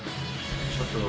ちょっと。